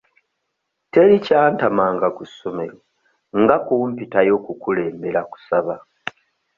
Teri kyantamanga ku ssomero nga kumpitayo kukulembera kusaba.